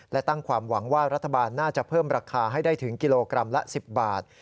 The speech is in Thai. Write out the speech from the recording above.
และตั้งความหวังว่ารัฐบาลน่าจะเพิ่มราคาให้ได้ถึงกิโลกรัมละ๑๐บาท